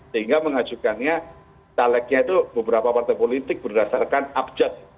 sehingga mengajukannya calegnya itu beberapa partai politik berdasarkan abjad